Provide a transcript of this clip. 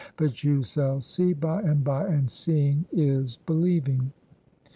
But you shall see by and by; and seeing is believing.